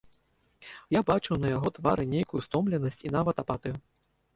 Я бачыў на яго твары нейкую стомленасць і нават апатыю.